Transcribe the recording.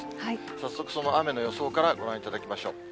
早速その雨の予想からご覧いただきましょう。